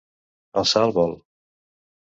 Alçar el vol.